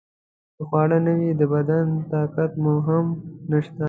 که خواړه نه وي د بدن طاقت مو هم نشته.